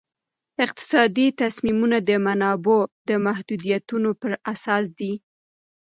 اقتصادي تصمیمونه د منابعو د محدودیتونو پر اساس دي.